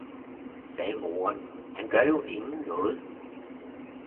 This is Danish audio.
sagde moderen, han gør jo ingen noget!